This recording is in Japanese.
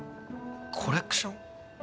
コレクション？